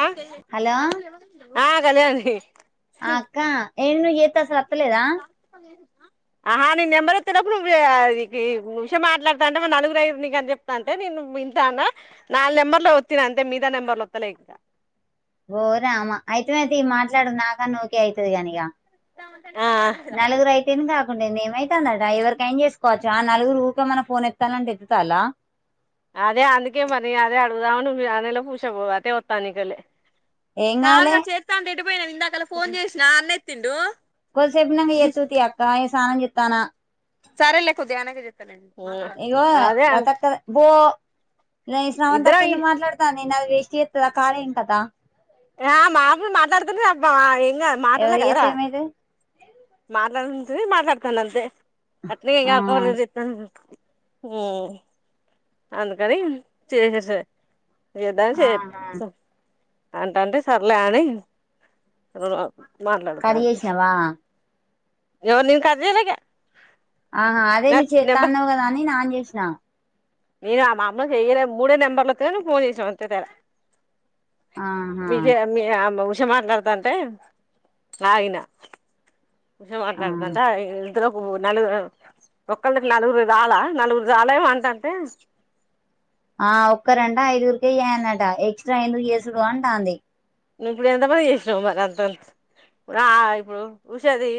ఆ హలో కల్యాణి ఏంది నువ్వు చేస్త అసలు వత్తలేదా ఆహా నేను నెంబర్ వత్తినప్పుడు నువ్వుషయం మాట్లాడుతా అంటే నలుగురు్య నీకు అని చెప్తా అంటే నేను ఇంత నాలుగు నెంబర్ లో వత్తిన అంతే మీద నెంబర్లు వస్తలేకద ఓ రామా అయితేనేతీ అయితే మాట్లాడు నాకన ఒకే అవుతుది కానిక ఆ ఏమైతుందట ఎవరిక ఏం చేసుకోవచ్చు ఆ నలుగురు ఊరిక మనం ఫోన్ ఎత్తాలంటే ఎత్తాలా అదే అందుకే మరి అదే అడుగుదామని అ నలో పూసబ అదే వత్తాన్నికలే ఏం కాదులే కాదురా చేస్తంటీ అ పోయిను ఇందాక ఫోన్ చేసినా అన్న ఎత్తిండు కొ సేపు ఉనంక ఎత్తుతువ్ తియ్ అక్క స్నానం సెత్ స్ తన సరే లే కొద్దిగా ఆగినాకా చెప్తాలే ఇగో లతక్కద్ పో ఈ శ్రవంతక్క ఇద్దరం ఎందుకు మాట్లాడతాంది నీలా గా వేస్ట్చేత్ దా కానీను కదా ఆ మాతో మాట్లాడ్తుంది అబ్బ ఇంగ మాటలే ఎవరు గదరా చేత్తే ఏమైతది మాట్లాడుతుంటది మాట్లాడతానాంతే ఆ అత్లీకది [unintelligible] మ్ అందుకని చేసేసా యుద్దాల్ చెస్ ఆహా ప్ అంటంటే సర్లే అని కరి చేసినవా ఎవర్ కరి లె గ్ ఆ అదే నువ్ చేతా అనవ్ గదా అని అన్ జెస్ న ఏ గ మా అమ్మ కు చెయ్యలె మూడే నంబర్లోతె ఫోన్ చేస్ నవ్ అంతే తెడ ఆహా మీజె మీయమ్మ చ మాట్లాడతాంటే ఆగిన ఉష మాట్లాడతంటే ఆగిన్ ఒతర్ పో నలుగుర్ అ ఒ ఒకల్కి నలుగురు చాలా నలుగురు జాలా ఏమో అంటంటే ఆ ఒక్కరంట ఐదుగురికి ఏయ్యన్ టా ఎక్సట్రా ఎందుకు చేసుడు అంటాన్ది నువ్ ఇప్పుడు ఎంత పని చేసినావ్ మరి అంతా అ ఆ ఇప్పుడు ఉషది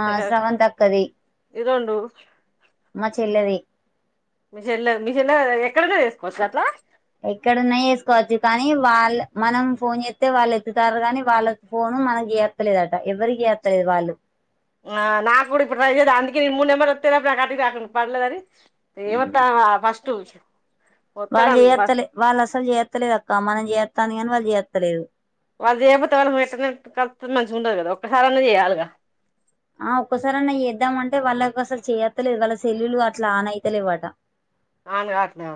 ఆ శ్రవంతక్కది ఇరెండు మా చెల్లెది మిషన్లో మిషన్లో ఎక్కడున్న చేస్కోవచ్చు అట్లా ఎక్కడున్నా చేసుకోవచ్చు కానీ, వాళ్ల్ మనం ఫోన్ చేత్తే వాళ్ళు ఎత్తుతార్ కానీ, వాళ్ళ ఫోను మనం చేయ్తలేదట ఎవరి చేయతలేదు వాళ్ళు ఆ నాకు గూడా ఇప్పుడు ట్రై చెతే అందుకే నిన్ మూడు నెంబర్ ఒత్తేయ్ లోప్ నాక్ కట్ రాకున్డింది పర్లేదాది ఏమ్ ఓత్తావ ఫస్ట్ టూషన్ వాళ్ల్ చేయత్తలే వాళ్ళసలు చేయత్ లేదక్క మనం చేయ త్తనే వాళ్ల్ యెత్తలేదు వాళ్ళు చేయకపోతే వాళ్ళ [unintelligible] మంచిగుండదు గదా ఒక్కసారన్న చేయాల్ గా ఆ ఒక్కసారాన్న చేద్దామంటే వాళ్ళకాసల్ చేయత్తలేదు వాళ్ళ సెల్లులు అట్లా ఆన్ అయితలేవట. ఆన్ గావట్లా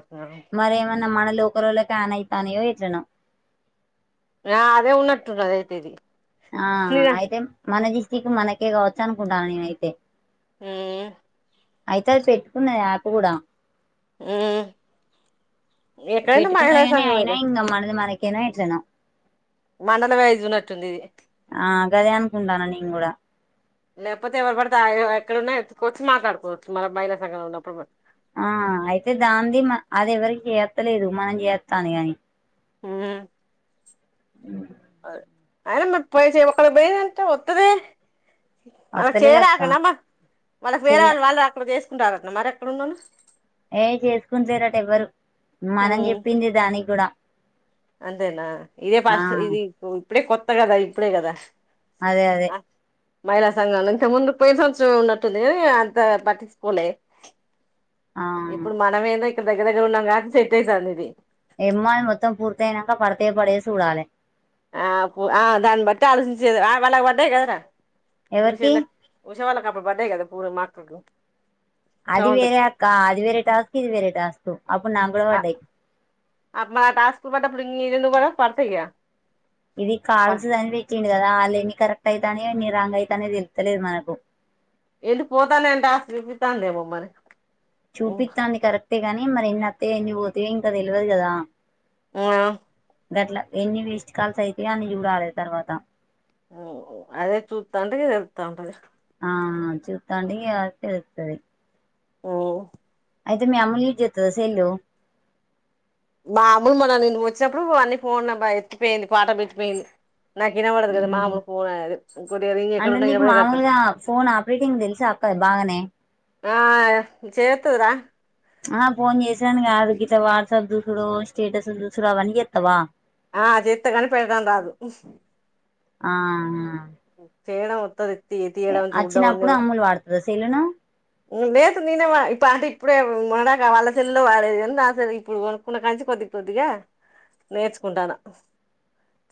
మరేమన్నా మనల్ లోకలోల్లకు ఆన్ అయితాన్నాయో ఎట్లనో ఆ అదే ఉన్నట్టున్నది అదైతే ఇది ఆ నేన అయితేం మనది కి [unintelligible] మనకే కావచ్చు అనుకుంటాను నేను అయితే ము ఉ అయితే అది పెట్టుకున్న ఆకు కూడా ఆ ఎక్కడైనా మహిళా సంఘంలుగా ఒకే నా ఇట్లానా మండల వెజు ఉన్నట్టుందిది ఆ గదియానకుంటన్నా నిను కూడా లేకపోతే ఎవరు పడితే వాళ్ళు ఎక్కడన్నా ఎత్తుకొవచచ్చ్ మాట్లాడుకోవచ్చు మనం మహిళా సంఘాల లొఉన్నప్పుడుమె ఆ అయితే దానిదీ అది ఎవరికి చేప్తాలేదు మనం చేత్తాంది కాని హ్మ్ ఉ అయినా పెస్ వినపడుంద్ద ఎంటి వత్తాది వాళ్ళు వత్తలేదు అక్క చేరాకనా వాళ్ళకి చెయ వేరెవాళ్ళు వాళ్ళ రాకుడడా చేసి దొరకన్నరుఎక్కడన్నారు ఏ చేసుకుంటారట ఎవ్వరు మనం ఉమ్, చెప్పింది దానికి కూడా అంతేనా ఇదే ఆ పాస్ట్ఇది ఇప్పుడే కొత్త అంతే కదా ఇప్పుడే కదా అదే అదే ఆ, మహిళా సంఘంలో ఇంతకు ముందు పోయిన సంవత్సరం ఉన్నట్టుంది కదా అంత పట్టించుకోలే ఆ ఇప్పుడు మనం ఏదే దగ్గర దగ్గర ఉన్నాం కాబట్టి సెట్ అయితాంది ఇది ఎమ్మాన వ్రతం పూర్తాయినాక పడతాయ పడవొ చూడాలి ఆ ఆ దాన్ని బట్టి ఆలోచించేది వాళ్ళకు పడ్డాయి కదరా ఎవరికి విషే వాళ్ళలకి హ్యపిబరెడె పడేగాద పూ మాక్క [unintelligible] అది వేరే అక్క అది వేరే టాస్క్ ఇది వేరే టాస్క్ అప్పుడు నాకు కూడా పడ్డాయి అ మా టాస్క్ పాడ్డప్పుడు మీది ఎందుకు పాడవు పాడతయిగా ఇది కాల్స్ దనిపించింది కదా వాళ్ళు ఎన్నికరెక్ట్ అయితన్నాయ రాంగ్ అయితన్నాయ తెలుతలేదు నాకు ఏంటి పోతానంటే ఆస్తి చూపిస్తాతాందేమో మరి ఉమ్. చూపితాంది కరెక్ట్ అంతే గాని మరి ఎన్ని వతాయ్ ఎన్ని పోతాయ ఇంకా తెలియదు కదా ఆ ఆ గట్ల ఎన్ని వేస్ట్ కాల్స్ అయితయ్ అన్న చూడాలే తర్వాత ఊ అదే చూస్తాంటే తెల్తాంటది ఆ చుత్తాంటే యది వత్తే అది వత్తది అ ఆ అయితే మీ అమ్మలు యిజ్ చెత్తాద సెల్ మాము మన నేను వచ్చినప్పుడు అన్నీ ఫోన్బ ఎత్తిపోయింది పాట పెట్టిపోయింది నాకు వినబడదు కదా మామూలు ఫోన్ అది ఇంకోటి రింగ్ అంటే ఎక్కడున్నా నీకు వినబడేటట్టు మామూలుగా ఫోన్ ఆపరేటింగ్ తెలుసా అక్క బాగానే ఆ చేయత్తదిరా ఆ ఫోన్ చేసాను కాదు గిట్ల వాట్సాప్ చు రోజూ స్టేటస్లు చూసుడు అవన్నీ చేస్తవా ఆ చేత్తగాని పెట్టడం రాదు ఆ చేయడం వత్తది తీ తీయడం చూడ్డం అన్నీ అచ్చినప్పుడు అమ్ములు వాడుతది సెల్లు ను లేదు నేనే వ పాట ఇప్పుడే మొన్నట్ దాకా వాళ్ళ సెల్లో పడేది నా ఇప్పుడు కొనుకున్న కంచి కొద్ది కొద్దిగా నేర్చుకుంటాన్న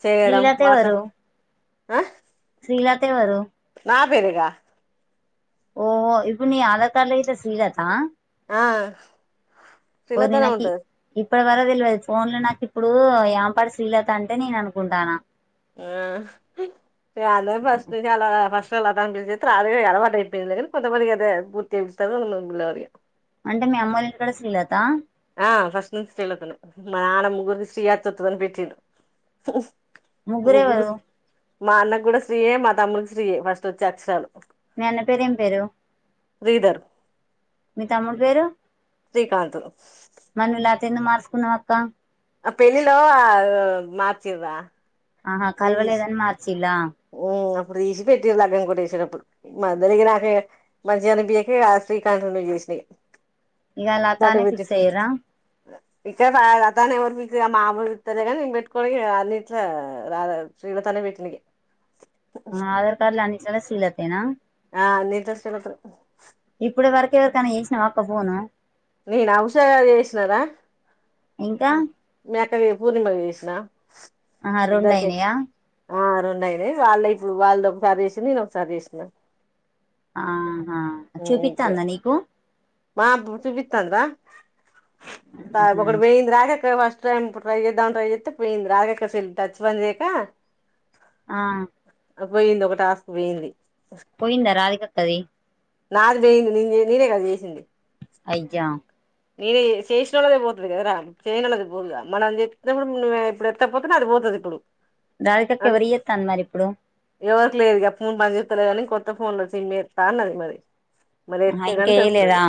చేయడం శ్రీలత ఎవరు వాట్సాప్ ఆ శ్రీలత ఎవరు నా పెరెగా ఓ ఇప్పుని ఆధార్ కార్డు ఇట్ల శ్రీలత ఆ ఓ పిల్లతనం నినాకి ఉంటది ఇప్పటి వరకు తెల్వది ఫోన్లో నాకు ఇప్పుడు ఏంపాటి శ్రీలత అంటే నేను అనుకుంటాన్న చాలా ఫస్ట్ చాలా ఫస్ట్ లత అని పిలిచి [inaudible] అలవాటు అయిపోయింది కొంతమంది అది [inaudible] అంటే మీ అమ్మోల్లింటికాడ శ్రీలత ఆ ఫస్ట్ నుంచి శ్రీలతనే మా నాన్న ముగ్గురిని శ్రీ యతుతుందని పెట్టిండు ముగ్గురు ఎవరు మా అన్నకు గుడా శ్రీయే మా తమ్ముకి శ్రీయే ఫస్ట్ వచ్చే అక్షరాలు మీ అన్న పేరు ఏం పేరు శ్రీధర్ మీ తమ్ముడి పేరు శ్రీకాంతూ పేరెందుకు మార్చుకున్నవ్ అక్క ఆ పెళ్లిలో మార్చిన్రా ఆహా కల్వలేదని మార్చ్ ఇలా ఇప్పుడు తీసి పెట్టి లగ్గం కూడాట్ట వేసినప్పుడు మందరికి నాకే మంచిగా అనిపించక శ్రీకాంత్ చేసిన ఇగ ఇగ లత అనే ఫిక్స్ అయ్యింరా ఇక్కడ లతనే ఎవరు మామూలు తలేగానీ పెట్టుకో అన్నిట్ల శ్రీలత పెట్టిన ఇగ ఆధార కార్డు లాని చాల శ్రీలతనా చలదు [unintelligible] ఇప్పుడు వరకే ఎవరికైనా చేసినావాక్క ఫోను నేను ఔషదా చేసినదా ఇంకా అదే పూర్ణిమాకు చేసిన ఆ ఇద్దరికి రెండయినయా ఆ రెన్నాయినే వాళ్ళ ఇప్పుడు వాళ్ళద ఒకసారి వసిన నేను ఒకసారి చేసినాను ఆహా ఇప్పుడే చూపిస్తాందా నీకు మా ఇబ్బుడు చూపిత్తాంది పా మ్మ్ హ్మ్ ఇందిరాజక్కకు ఫస్ట్ టైం ఇప్పుడు. ట్రై చేద్దాం ట్రై చేత్తే పోయింది. రాజిక్క సెల్ల్ టచ్ పని చేయక ఆ పోయింది ఒక టాస్క్ పోయింది పోయిందా రాధిక కది నాది పోయింది నేను నేనే కదా చేసింది అయ నను చేషినదే పో ఇప్పుడు కద చేయన అది పోదుగా మనం అని చెప్పినప్పుడు ఇప్పుడు ఎత్తపోతే అది పోతుంది ఇప్పుడు రాల అం కకవరి ఏ తా అ మరి ఇప్పుడు ఎవరికి లేదు ఇక ఫోన్ పని చేస్తలే కానీ కొత్త ఫోన్లు వచ్చి మీ త అన్నది మరి ఆ ఇంకా వయ్యలేదా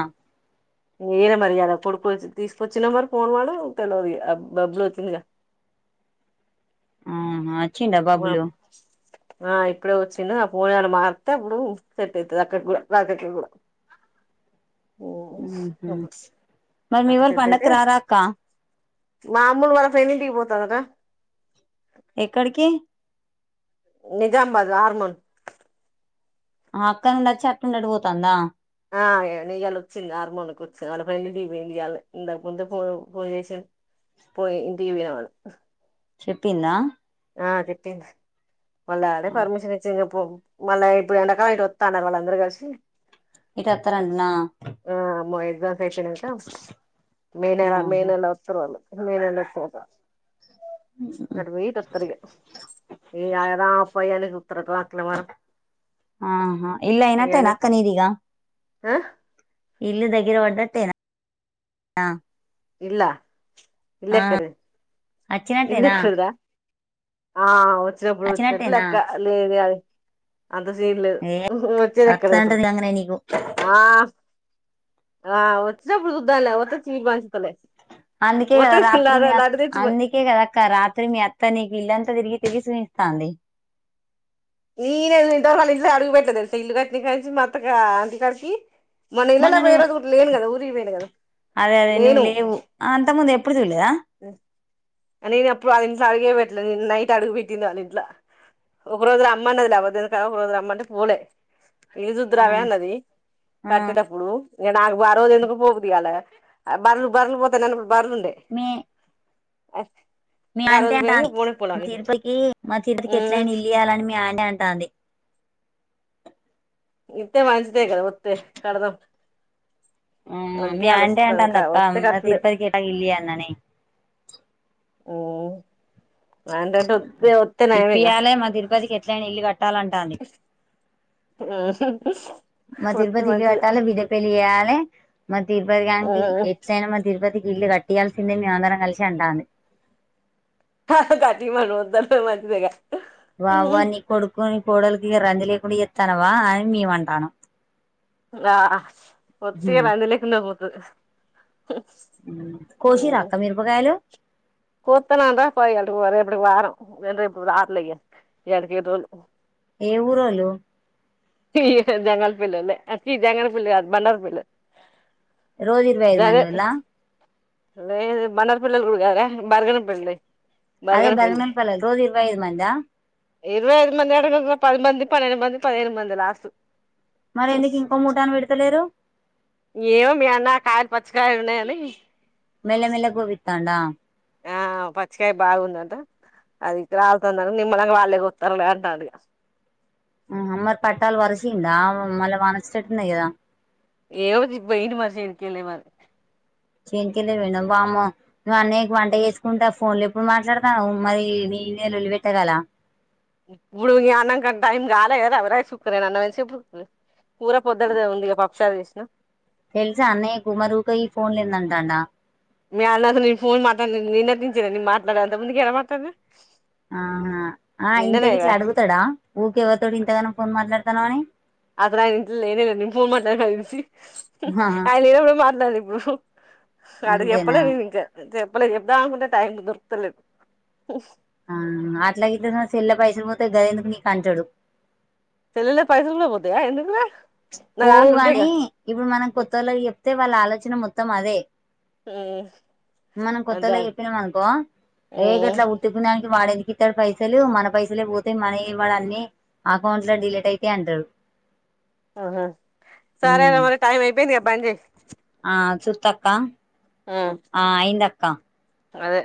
ఏర మరియాద కొడుకుచ్చ తీసుపోచ్చి వచ్చిన మర్ ఫోన్ మడం తెలియదు బబ్లు వచ్చింది ఆ వచ్చిం బాబులు ఆ ఇప్పుడే వచ్చింది ఆ పోనాలు మారితే అప్పుడు సెట్ అవుతుది అక్కడ కూడా రాకక్కడ కూడా మరి మీ వ పన్న మామూలు వా ఇంటికి పోతవ్ కదా ఎక్కడికి నిజామాబాద్ హార్మోన్ ఆ అక్కడి నుండి వచ్చి అటునుండి అటు పోతాందా ఆ ఇయాల వచ్చింది హార్మోన్కి వచ్చింది వాళ్ళ ఫ్రెండింటికి పోయింది ఇయాల ఇంతక ముంద పో ఫోన్ చేసి పోయి ఇంటి పోయిన వాళ్ళు చెప్పిందా ఆ చెప్పింది మళ్ళ ఆడే పర్మిషన్ ఇచ్చింగ పో మళ్ళ ఇప్పుడు ఎండకాలం ఇటు వత్తాన్నారు వాళ్ళు అందరూ కలిసి ఇటొత్తరంట్నా ఫ్రెష్ అయినంక మే నెల మే ఆహా నెలలో వస్తరు వాళ్ళు మే నెలలో వత్తదంట గటు పోయి ఇటు ఆహా ఇల్లు అయినట్టేనా అక్క నీదిగా [unintelligible] హా ఇల్లు దగ్గర పడ్డట్టేనా ఇల్లా ఆ ఇళ్ళెక్కడిది అచ్చినట్టేనా ఆ వచ్చినప్పుడు వచ్చినట్టు అచ్చినట్టేనా లెక్క లేదే అది అంత సీన్ లేదు ఏ వచ్చేది ఎక్కడ అసలు అత్తదంటది గంగనే నీకు ఆ ఆ వచ్చినప్పుడు చూద్దాంలే వత్తే సీట్ పంచుతలే అందుకే కదా వత్తే రాత్రి లడ్డు మీ అక్ లడ్డు తెచ్చి అందుకే కదక్క రాత్రి మీ అత్త నీకి ఇల్లంత తిరిగి తిరిగి సూయిస్త ఉంది ఏ నేనిల్లిమ్తవరకు ఆలింట్ల అడుగు పెట్టల తెలుసా ఇల్లు కట్నికానించి మాత్త గాంటి కాడికి మొన్న ఇళ్ళల్లకి పోయే రోజు కూడ లేను కదా ఊరికి పోయిన కదా లేను ప్పుడు చూడ్లేద ఉ నేను ఎప్పుడు ఆలింట్ల అడిగే పెట్టలేదు నిన నైట్ అడుగు పెట్టింది ఆలింట్ల ఒక రోజు రమ్మనదిలే అ వదిన కా పోదురమ్మంటే పోలే. ఇల్లు ఆ చూద్రావే అన్నది కట్టెటప్పుడు ఇంగ నాకు బా రోజు ఎందుకో పోబుద్దిగాలే బర్లు బర్లు పోతే నన్ బర్లుండే మీ మీ ఆంటి పోయినంక అంటాంది పోనే పోలే వాళ్ళింటికి తిరుపకి మా తిరుపకి మ్మ్ ఎట్లైనా ఇల్లు ఇయ్యాలని మీ ఆంటి అంటాంది ఇత్తే మంచిదేగదా ఒత్తే కడదాం ఆ అందుకే మీ ఆంటీ ఆలోచిస్తాం ఇంకా అంటందక్క వత్తే మా కట్టడు తిరుపతి కెట్టా ఇల్లు ఇయ్యాల్ననీ ఓ ఇప్పియాలే మా తిరుపతికి ఎట్లైనా ఇల్లు క మ్మ్ మా తిరుపతి ఇల్లు కట్టాలి, బిడ్డ పెండ్లి చెయా లే మా తిరుపతి గాన్కీ ఎట్లైనా మా తిరుపతి ఇల్లు కట్టియాల్సిందే మేమందరం కలిసి అంటాంది కాస్త కట్టిమను వద్దంటే మంచిదేగా వావ్వా ఉమ్, నీ కొడుకుని పోడల్కి ఇగ రంజలే కుండా ఎ తనవా అ మీ అంతానం ఆ ఒతిగా రంది లేకుండా పో ర ఉ కోషి రాక మీరు పకాయలు కొత్తున్నాం రా పో ఇకి వా ఎప్పుటికి వారం రేపు రాలే ఇగా ఎడకి రలు ఏ ఊర్లో ఈ జంగల్ పిల్లలో చీ జంగల్ పిల్ల కాదు బండార పల్ రోజు ఇరవై ఐదు మందిలో లేదు బన్నార పల్లలు కూడా గారా బరగన పిల్లి అదే బరగన పిల్లి రోజు ఇరవై ఐదు మందా ఇరవై ఐదు మంది ఎకు పది మంది పన్నెండు మంది పదిను మంది అ లాసు మరి ఎందుకు ఇంకో మూటాను పెడతలేరు ఏమో మీ అన్న కా పచ్చకాయలు ఉన్నాయని మెల మెల గోవి తడా ఆ పచ్చికయ బాగుందంట అది ఇ రాాలతుందను నిమ్మనిక వాళ్ళేక వస్తారులేంట అడిగా ఊ అమ్మరి పట్టాాలు వరుషిండా ఆ మల్ వనచ్చటుంద్యదా ఏవ వెయిడి మరిష ఎకి మరి చేన్కిదు మ బామ్మ నువ్వు అన్నయ్య వంట చేసుకుంటా ఫోన్ లో ఎప్పుడు మాట్లాడతాను మరి న నళ్లి పెెట్టగల ఇప్పుడు అన్నంకంట టైం కాలే కదా అవరైస్ కుక్కరేను అన్న మంచి ఇడు కూర పొద్దుది ఉందిక పప్పు చారు వేసినా తెలుసా అన్నయ కుమరూక ఈ ఫోన్‌లు ఎందుకంటండా మీ అన్న నేను ఫోన్ మాట్ నిన్నర్టించా నేను మాట్లాడ అంత ముందుకు ఎలా మాట్లాడద ఆహా ఆ ఇంతకి ఇట్లా కదా అడుగుతాడా ఊక ఎవతడు ఇంతగాన ఫోన్ మాట్లాడు తవాణి అత నా నింట్ ఏననా నిం ఫోన్ట్లే కైసి ఆహా ఆయన లేనప్పుడే మాట్లాాలి ఇప్పుడు అడ అంతేనా చెప్పలే నేను ఇంకా చెప్ప వాళ్లకి చెప్దాం అంటే టైం దొరుతలేదు ఆ అట్లాగ ఇ సెల్ల పైసలు పోతే గది ఎందుకు నీకు అంటడు తెల్ పైసున్నా పోతేయా ఎందుకు పోవు కాని ఇప్పుడు మనం కొత్త వాళ్ళకి చెప్తే వాళ్ళ ఆలో వచ్చిన మొత్తం అదే మనం అదే కొత్తోళ్ల కి చెప్పినాం అనుకో ఏ గట్లా ఉట్టిపునయానికి వాడెందుకు ఇస్తాడు పైసలు మన పైసలే పోతే మన వాడు అన్ని అకౌంట్ లో డిలీట్ అయిత అంటారు ఆహా సారా అ టైమ్ అయిపోంది బంచేయి ఆ సుతక్క ఆ అయిందక్క అదే